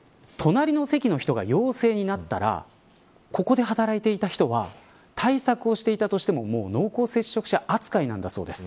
隣の席の人が陽性になったらここで働いていた人は対策をしていたとしても濃厚接触者扱いなんだそうです。